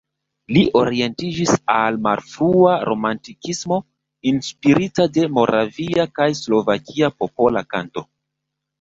Li orientiĝis al malfrua romantikismo, inspirita de moravia kaj slovakia popola kanto.